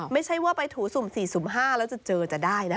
ไม่ใช่ว่าไปถูสุ่ม๔สุ่ม๕แล้วจะเจอจะได้นะ